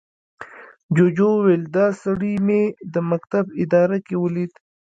جوجو وويل، دا سړي مې د مکتب اداره کې ولید.